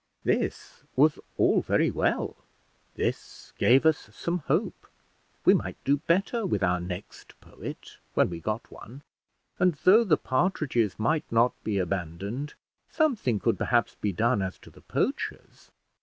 This was all very well: this gave us some hope. We might do better with our next poet, when we got one; and though the partridges might not be abandoned, something could perhaps be done as to the poachers.